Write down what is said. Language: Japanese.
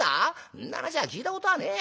んな話は聞いたことはねえや。